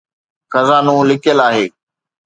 خزانو لڪيل آهي